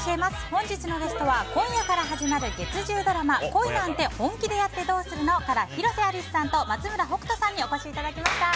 本日のゲストは今夜から始まる月１０ドラマ「恋なんて、本気でやってどうするの？」から広瀬アリスさんと松村北斗さんにお越しいただきました。